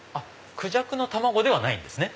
クジャクの卵ではないんですね。